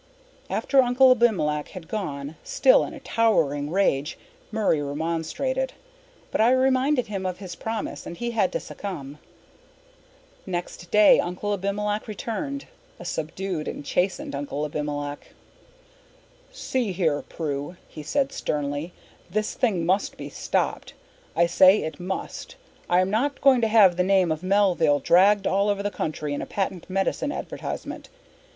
After Uncle Abimelech had gone, still in a towering rage, Murray remonstrated. But I reminded him of his promise and he had to succumb. Next day Uncle Abimelech returned a subdued and chastened Uncle Abimelech. "See here, Prue," he said sternly. "This thing must be stopped. I say it must. I am not going to have the name of Melville dragged all over the country in a patent medicine advertisement.